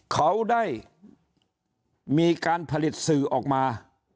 เขาได้มีการผลิตสื่อออกมา